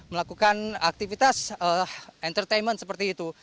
melakukan aktivitas entertainment seperti itu